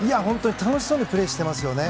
楽しそうにプレーしていますよね。